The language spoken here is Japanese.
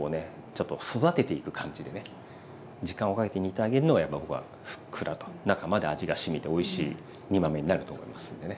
時間をかけて煮てあげるのがやっぱ僕はふっくらと中まで味がしみておいしい煮豆になると思いますんでね。